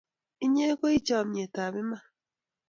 Inye koi chomyet ap iman.